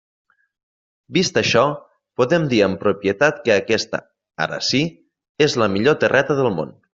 Vist això, podem dir amb propietat que aquesta, ara sí, és la millor terreta del món.